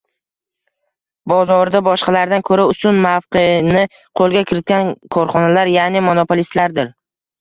bozorida boshqalardan ko‘ra ustun mavqeni qo‘lga kiritgan korxonalar, yaʼni monopolistlardir.